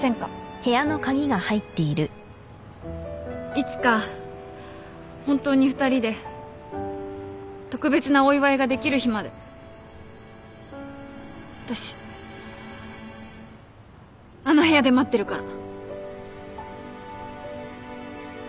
いつか本当に２人で特別なお祝いができる日まで私あの部屋で待ってるから。